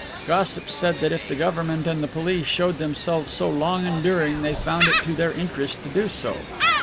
Gossips said that if the government and the police showed themselves so long enduring they found it to their interest to do so.